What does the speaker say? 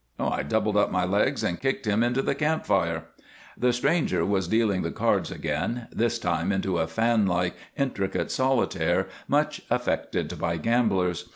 "I doubled up my legs and kicked him into the camp fire." The stranger was dealing the cards again, this time into a fanlike, intricate solitaire much affected by gamblers.